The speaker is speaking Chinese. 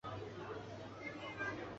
列出现今已知的数个制图软体